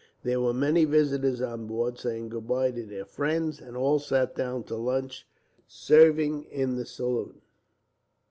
There were many visitors on board, saying goodbye to their friends, and all sat down to lunch, served in the saloon.